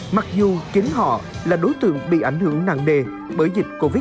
mặc dù chính họ là đối tượng bị ảnh hưởng nặng đề bởi dịch covid